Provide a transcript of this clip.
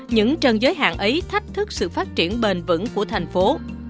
những trần giới hạn ấy thách thức sự phát triển bền vững của thành phố